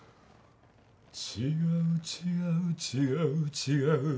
違う違う違う違う